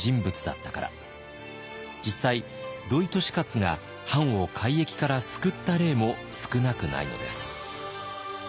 実際土井利勝が藩を改易から救った例も少なくないのです。